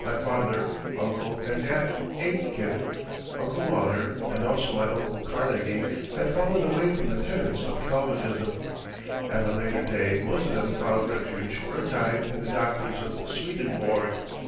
My father, Uncle and Aunt Aitken, Uncle Lauder, and also my Uncle Carnegie, had fallen away from the tenets of Calvinism. At a later day most of them found refuge for a time in the doctrines of Swedenborg.